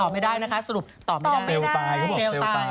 ไม่ติดตามกฎหมายต่อไปตอบไม่ได้นะคะ